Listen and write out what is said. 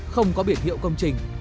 không có biển hiệu công trình